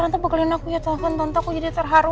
tante bekalin aku ya tau kan tante aku jadi terharu